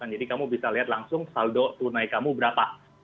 jadi kamu bisa lihat langsung saldo tunai kamu berapa